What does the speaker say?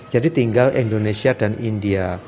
jadi tinggal indonesia dan india